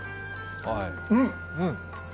うん！